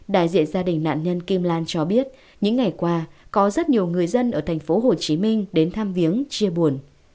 đại diện gia đình nạn nhân kim lan cho biết những ngày qua có rất nhiều người dân ở thành phố hồ chí minh đến tham viếng chia buồn